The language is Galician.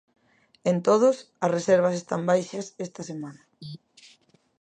En todos, as reservas están baixas esta semana.